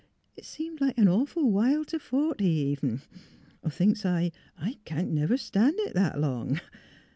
It seemed like an awful while t' forty, even. Think s' I, I can't never stan' it that long.